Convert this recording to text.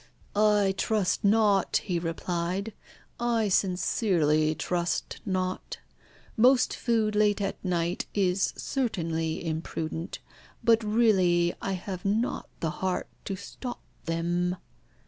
"I trust not," he replied; "I sincerely trust not. Much food late at night is certainly imprudent, but really I have not the heart to stop them."